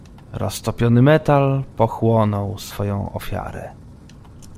"Roztopiony metal pochłonął swoją ofiarę."